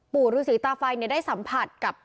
ปู่รูสีตาไฟเนี่ยได้สัมผัสกับ